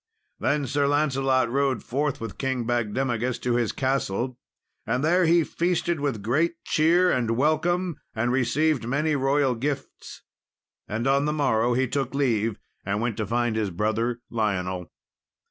] Then Sir Lancelot rode forth with King Bagdemagus to his castle, and there he feasted with great cheer and welcome, and received many royal gifts. And on the morrow he took leave and went to find his brother Lionel.